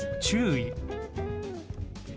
「注意」。